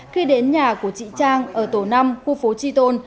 khi đến nhà của chị trang ở tổ năm khu phố tri tôn